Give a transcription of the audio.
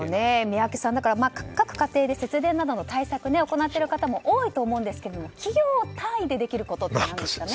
宮家さん各家庭で節電などの対策を行っている方も多いと思うんですけど企業単位でできることって何ですかね。